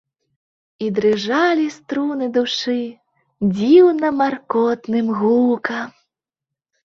І дрыжалі струны душы дзіўна маркотным гукам.